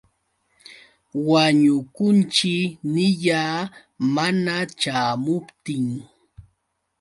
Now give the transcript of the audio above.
Wañukunćhi niyaa. Mana ćhaamuptin.